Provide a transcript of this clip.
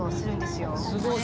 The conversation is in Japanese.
すごい！